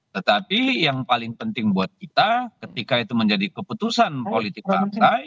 tetapi yang paling penting buat kita ketika itu menjadi keputusan politik partai